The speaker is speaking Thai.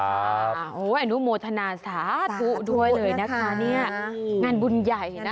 อันนี้โมทนาสาธุด้วยเลยนะคะงานบุญใหญ่นะ